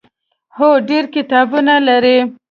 هو، ډیر کتابونه لري